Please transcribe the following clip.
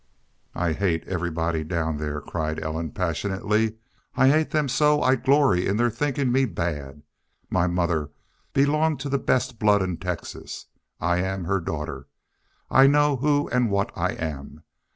"I hate everybody down there," cried Ellen, passionately. "I hate them so I'd glory in their thinkin' me bad.... My mother belonged to the best blood in Texas. I am her daughter. I know WHO AND WHAT I AM.